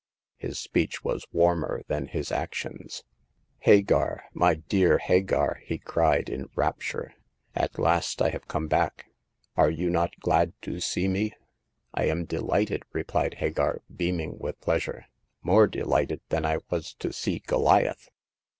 His speech was warmer than his actions. Hagar ! my dear Hagar !'* he cried, in rapt ure, at last I have come back. Are you not glad to see me ?"I am delighted !" replied Hagar, beaming with pleasure— more delighted than I was to see Goliath.'